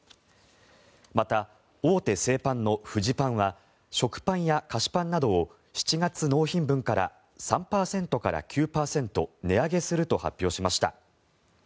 また大手製パンのフジパンは食パンや菓子パンなどを７月納品分から３％から９％値上げすると発表しました。